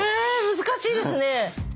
難しいですね。